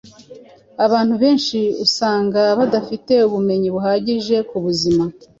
Abantu benshi usanga badafite ubumenyi buhagije ku buzima